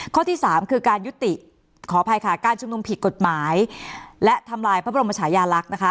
ข้อที่สามคือการยุติขออภัยค่ะการชุมนุมผิดกฎหมายและทำลายพระบรมชายาลักษณ์นะคะ